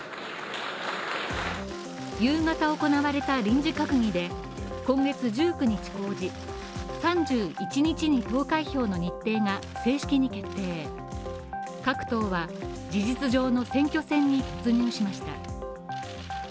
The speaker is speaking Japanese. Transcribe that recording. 夕方行われた臨時閣議で今月１９日公示３１日に投開票の日程が正式に決定各党は事実上の選挙戦に突入しました。